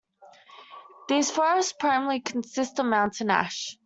These forests primarily consist of Mountain Ash.